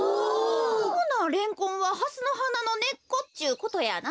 ほなレンコンはハスのはなのねっこっちゅうことやな？